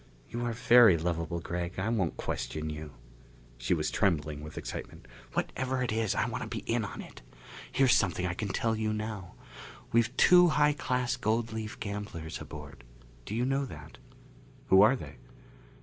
"You are very lovable, Gregg. I won't question you." She was trembling with excitement. "Whatever it is, I want to be in on it. Here's something I can tell you now. We've two high class gold leaf gamblers aboard. Do you know that?" "Who are they?"